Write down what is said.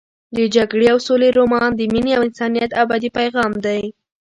د جګړې او سولې رومان د مینې او انسانیت ابدي پیغام دی.